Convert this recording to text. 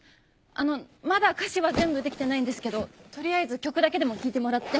あのまだ歌詞は全部できてないんですけど取りあえず曲だけでも聴いてもらって。